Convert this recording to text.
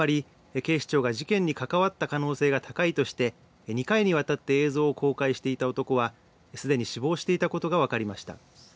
警視庁が事件に関わった可能性が高いとして２回にわたって映像を公開していた男はすでに死亡していたことが分かりました。